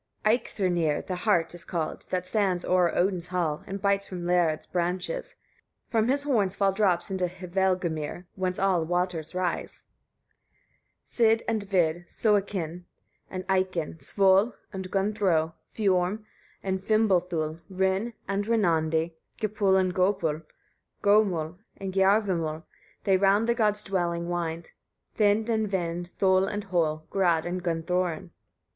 26. Eikthyrnir the hart is called, that stands o'er Odin's hall, and bites from Lærâd's branches; from his horns fall drops into Hvergelmir, whence all waters rise: 27. Sid and Vid, Soekin and Eikin, Svöl and Gunnthrô, Fiörm and Fimbulthul, Rin and Rennandi, Gipul and Göpul, Gömul and Geirvimul: they round the gods' dwelling wind. Thyn and Vin, Thöll and Höll, Grâd and Gunnthorin.